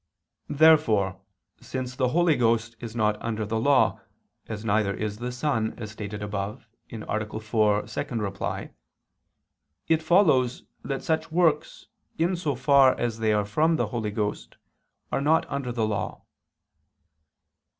Therefore, since the Holy Ghost is not under the law, as neither is the Son, as stated above (A. 4, ad 2); it follows that such works, in so far as they are of the Holy Ghost, are not under the law.